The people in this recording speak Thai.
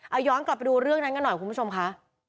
เอาย้อนกลับไปดูเรื่องนั้นกันหน่อยคุณผู้ชมค่ะ